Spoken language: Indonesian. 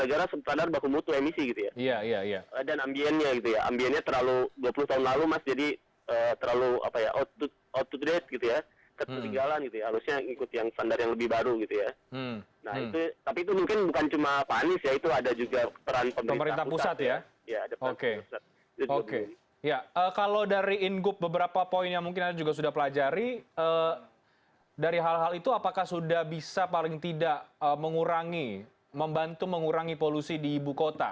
aplicasi yang terkini kali ini sudah bisa paling tidak mengurangi membantu mengurangi polusi di ibu kota